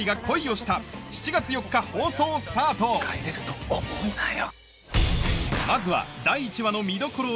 「帰れると思うなよ！」